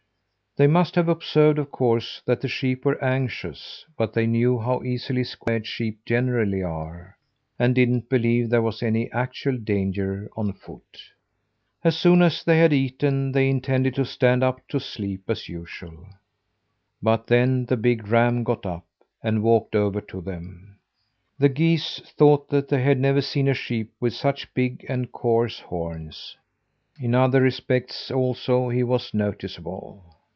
They must have observed, of course, that the sheep were anxious; but they knew how easily scared sheep generally are, and didn't believe there was any actual danger on foot. As soon as they had eaten, they intended to stand up to sleep as usual. But then the big ram got up, and walked over to them. The geese thought that they had never seen a sheep with such big and coarse horns. In other respects, also, he was noticeable.